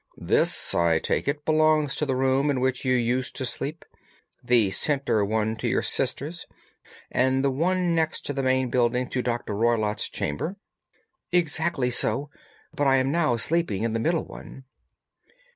"This, I take it, belongs to the room in which you used to sleep, the centre one to your sister's, and the one next to the main building to Dr. Roylott's chamber?" "Exactly so. But I am now sleeping in the middle one."